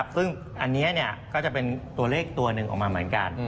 ซึ่งอันนี้ก็จะเป็นตัวเลขตัวหนึ่งออกมาเหมือนกัน